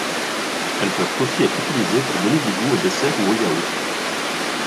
Elles peuvent aussi être utilisées pour donner du goût aux desserts ou aux yaourts.